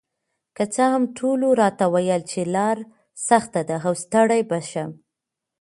که څه هم ټولو راته ویل چې لار سخته ده او ستړې به شم،